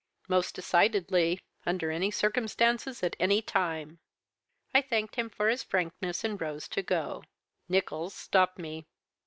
"'Most decidedly; under any circumstances, at any time.' "I thanked him for his frankness, and rose to go. Nicholls stopped me.